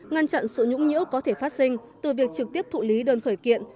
ngăn chặn sự nhũng nhiễu có thể phát sinh từ việc trực tiếp thụ lý đơn khởi kiện